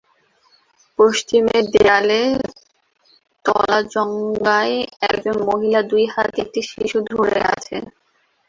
পশ্চিমের দেয়ালে তলাজঙ্ঘায় একজন মহিলা দুই হাতে একটি শিশু ধরে আছে।